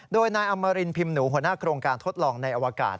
โดยนายอมรินพิมพ์หนูหัวหน้าโครงการทดลองในอวกาศ